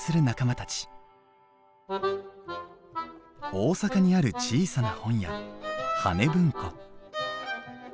大阪にある小さな本屋葉ね文庫。